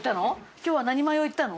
今日は何マヨいったの？